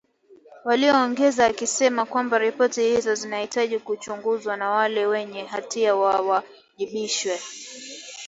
Aliongeza akisema kwamba ripoti hizo zinahitaji kuchunguzwa na wale wenye hatia wawajibishwe.